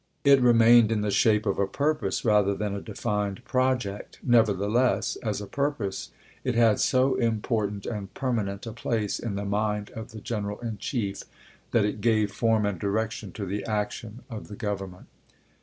It remained in the shape of a purpose, rather than a defined project ; never theless, as a purpose it had so important and per manent a place in the mind of the G eneral in Chief that it gave form and direction to the action of the Grovernment.